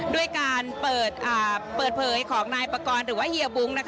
ด้วยการเปิดเผยของนายปากรหรือว่าเฮียบุ้ง